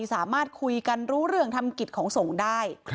สามารถคุยกันรู้เรื่องทำกิจของส่งได้